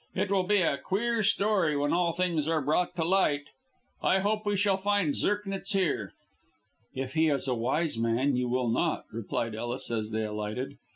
It will be a queer story when all things are brought to light. I hope we shall find Zirknitz here." "If he is a wise man you will not," replied Ellis, as they alighted.